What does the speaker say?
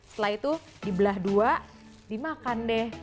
setelah itu dibelah dua dimakan deh